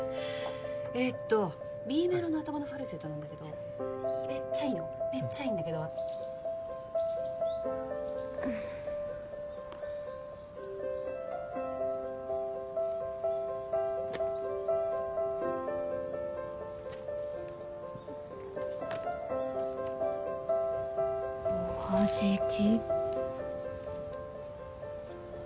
えっとＢメロの頭のファルセットなんだけどめっちゃいいのめっちゃいいんだけどおはじき？